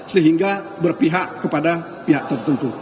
sehingga berpihak kepada pihak tertentu